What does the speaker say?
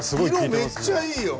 色めっちゃいいよ！